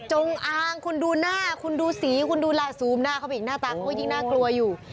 จงอางคุณดูหน้าคุณดูสีคุณดูล่ะซูมหน้าเข้าไปอีกหน้าตาเขาก็ยิ่งน่ากลัวอยู่